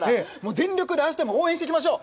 全力で明日も応援していきましょう。